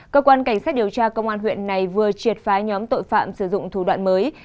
cơ quan cảnh sát điều tra công an huyện này vừa triệt phá nhóm tội phạm sử dụng thủ đoạn mới